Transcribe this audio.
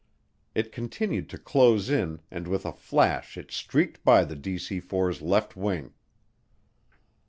It continued to close in and with a flash it streaked by the DC 4's left wing.